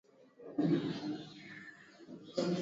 nafikiri suala la msingi ni kutekeleza yale tuliokumbaliana